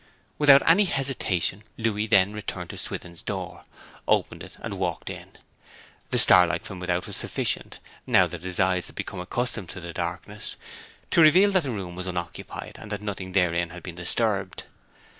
Without any hesitation Louis then returned to Swithin's door, opened it, and walked in. The starlight from without was sufficient, now that his eyes had become accustomed to the darkness, to reveal that the room was unoccupied, and that nothing therein had been disturbed.